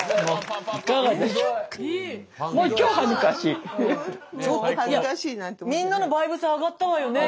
いやみんなのバイブス上がったわよね？